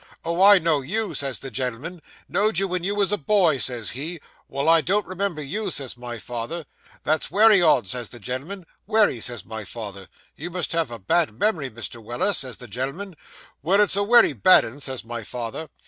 "Oh, I know you," says the gen'l'm'n: "know'd you when you was a boy," says he. "Well, I don't remember you," says my father. "That's wery odd," says the gen'l'm'n." "Wery," says my father. "You must have a bad mem'ry, Mr. Weller," says the gen'l'm'n. "Well, it is a wery bad 'un," says my father.